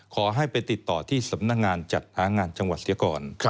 ขอให้ไปติดต่อที่สำนักงานจัดหางานจังหวัดเสียก่อน